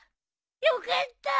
よかったー。